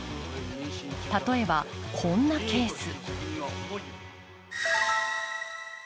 例えば、こんなケース。